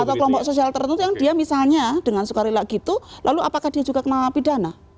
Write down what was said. atau kelompok sosial tertentu yang dia misalnya dengan suka rela gitu lalu apakah dia juga kena pidana